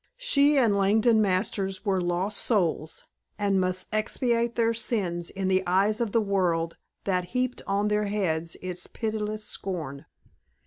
She and Langdon Masters were lost souls and must expiate their sins in the eyes of the world that heaped on their heads its pitiless scorn.